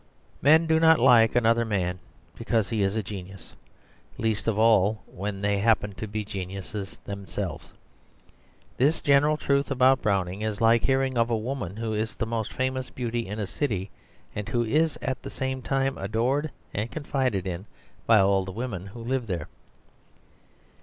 Men do not like another man because he is a genius, least of all when they happen to be geniuses themselves. This general truth about Browning is like hearing of a woman who is the most famous beauty in a city, and who is at the same time adored and confided in by all the women who live there.